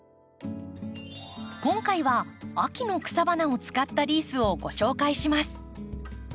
今回は秋の草花を使ったリースをご紹介します。